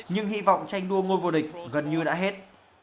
nhưng hy vọng tranh đua ngôi vô địch gần như đã hết